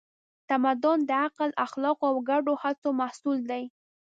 تمدن د عقل، اخلاقو او ګډو هڅو محصول دی.